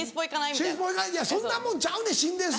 いやそんなもんちゃうねん